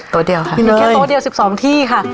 โต๊ะเดียวครับมีแค่โต๊ะเดียว๑๒ที่ค่ะ